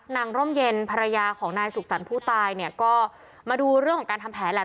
ร่มเย็นภรรยาของนายสุขสรรค์ผู้ตายเนี่ยก็มาดูเรื่องของการทำแผนแหละ